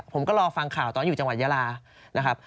ผมก็รอฟังข่าวตอนอยู่จังหวัดยาลานะครับ